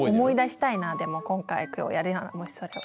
でも今回今日やるならもしそれを。